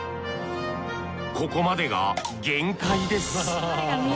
ここまでが限界です